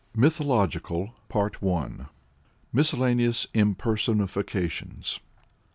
MYTHOLOGICAL. _Miscellaneous Impersonifications.